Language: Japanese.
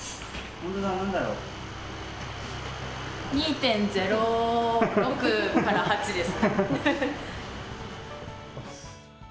２．０６から８です。